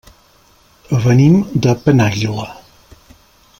Venim de Penàguila.